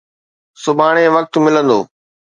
سڀاڻي وقت ملندو.